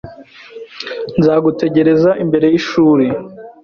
Nzagutegereza imbere yishuri.